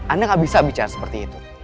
anda nggak bisa bicara seperti itu